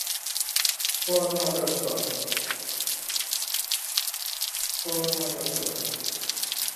প্রতিষ্ঠার পর থেকে, আইএলও নিরাপদ কাজের পরিবেশকে উন্নীত করেছে।